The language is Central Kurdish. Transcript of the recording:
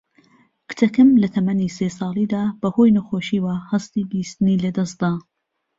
کچەکەم لە تەمەنی سێ ساڵیدا بە هۆی نەخۆشییەوە هەستی بیستنی لەدەست دا